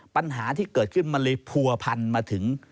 ปัญหาที่เกิดขึ้นมันเลยผัวพันมาถึง